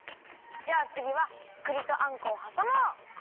じゃあつぎはくりとあんこをはさもう！